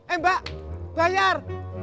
eh mbak bayar